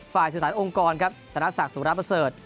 ฝ่ายสื่อสารองค์กรครับธนศักดิ์สุรประเสริฐ